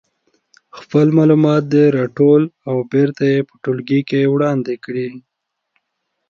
خپل معلومات دې راټول او بیا یې په ټولګي کې وړاندې کړي.